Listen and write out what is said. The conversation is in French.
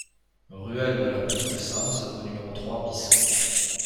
Ruelle de la Petite Cense au numéro trois BIS